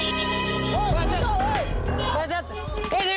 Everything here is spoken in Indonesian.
tapi melupa itu di kompen